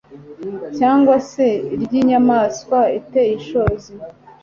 cyangwa se iry'inyamaswa iteye ishozi